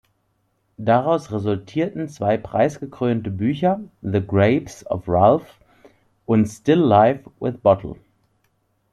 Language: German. Daraus resultierten zwei preisgekrönte Bücher, "The Grapes of Ralph" und "Still Life With Bottle".